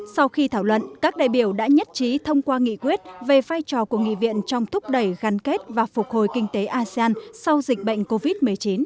sau khi thảo luận các đại biểu đã nhất trí thông qua nghị quyết về vai trò của nghị viện trong thúc đẩy gắn kết và phục hồi kinh tế asean sau dịch bệnh covid một mươi chín